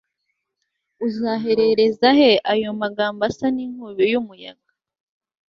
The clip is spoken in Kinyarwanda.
uzahereza he ayo magambo asa n'inkubi y'umuyaga